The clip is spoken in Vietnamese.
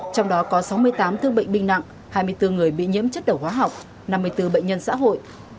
trong đó có sáu mươi tám thương bệnh binh nặng hai mươi bốn người bị nhiễm chất đầu hóa học năm mươi bốn bệnh nhân xã hội